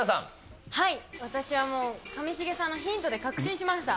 私はもう、上重さんのヒントで確信しました。